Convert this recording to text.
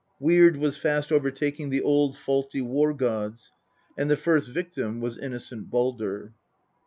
Weird was fast overtaking the old faulty war gods, and the first victim was innocent Baldr.